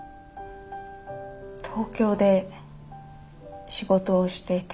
東京で仕事をしていて